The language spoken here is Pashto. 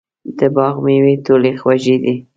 د باغ مېوې ټولې خوږې دي.